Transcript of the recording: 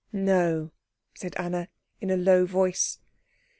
"No," said Anna, in a low voice.